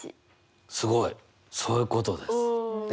すごい！そういうことですね。